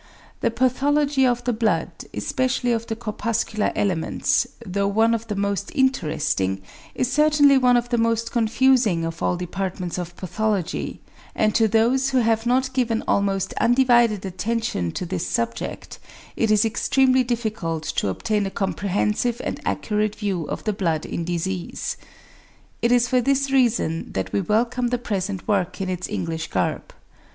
The pathology of the blood, especially of the corpuscular elements, though one of the most interesting, is certainly one of the most confusing, of all departments of pathology, and to those who have not given almost undivided attention to this subject it is extremely difficult to obtain a comprehensive and accurate view of the blood in disease. It is for this reason that we welcome the present work in its English garb.